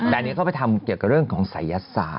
แบบนี้เขาไปทำเกี่ยวกับเรื่องของสัยยศาสตร์